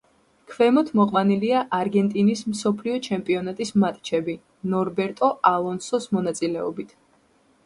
ქვემოთ მოყვანილია არგენტინის მსოფლიო ჩემპიონატის მატჩები ნორბერტო ალონსოს მონაწილეობით.